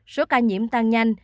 số ca nhiễm tăng nhanh